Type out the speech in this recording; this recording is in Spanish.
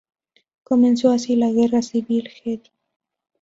Comenzó así la Guerra Civil Jedi.